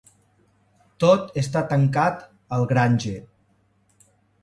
Tot està tancat al Grange.